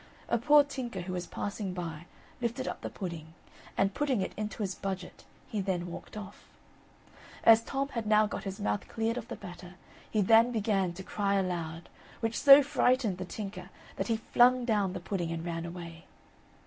A poor tinker, who was passing by, lifted up the pudding, and, putting it into his budget, he then walked off. As Tom had now got his mouth cleared of the batter, he then began to cry aloud, which so frightened the tinker that he flung down the pudding and ran away.